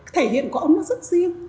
thể hiện của ống nó rất riêng